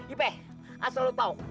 ipih asal lo tahu